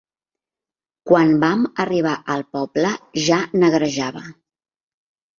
Quan vam arribar al poble, ja negrejava.